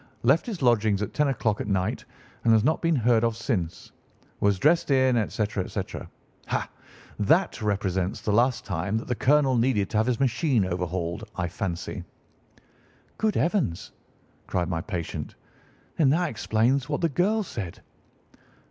Left his lodgings at ten o'clock at night, and has not been heard of since. Was dressed in,' etc., etc. Ha! That represents the last time that the colonel needed to have his machine overhauled, I fancy." "Good heavens!" cried my patient. "Then that explains what the girl said."